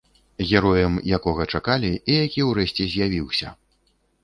Героем, якога чакалі, і які ўрэшце з'явіўся.